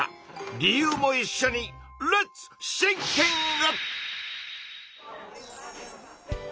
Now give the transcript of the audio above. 理由もいっしょにレッツシンキング！